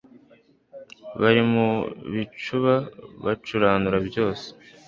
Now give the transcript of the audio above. Bari mu bicuba bacuranura byose